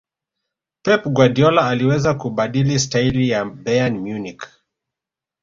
pep guardiola aliweza kubadili staili ya bayern munich